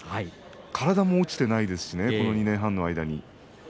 体も落ちていないですしこの２年半の間。